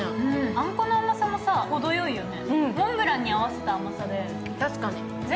あんこの甘さもさ、ほどよいよね